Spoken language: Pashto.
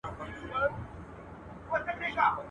څلور کوره، پنځه ئې ملکان.